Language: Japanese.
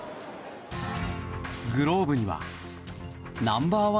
グローブにはナンバー１